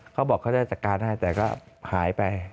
เขาบอกเขาจะจัดการให้แต่ก็หายไป